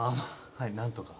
はい何とか。